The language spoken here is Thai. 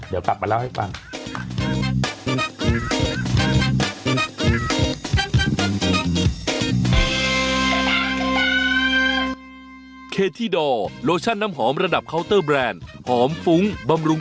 เดี๋ยวกลับมาเล่าให้ฟัง